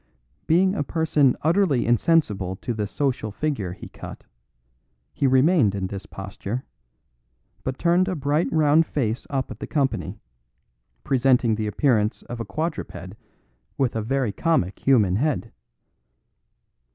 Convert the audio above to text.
Being a person utterly insensible to the social figure he cut, he remained in this posture, but turned a bright round face up at the company, presenting the appearance of a quadruped with a very comic human head.